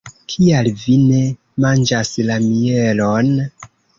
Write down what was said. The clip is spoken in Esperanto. Kial vi ne manĝas la mielon?